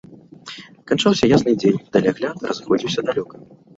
Канчаўся ясны дзень, далягляд разыходзіўся далёка.